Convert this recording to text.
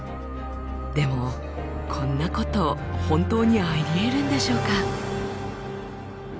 でもこんなこと本当にありえるんでしょうか？